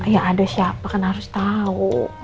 ya ada siapa kan harus tahu